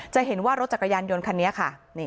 จะเห็นว่ารถจักรยานยนต์คันนี้ค่ะ